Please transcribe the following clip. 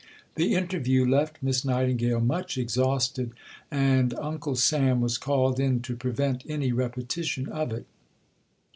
The interview left Miss Nightingale much exhausted, and Uncle Sam was called in to prevent any repetition of it.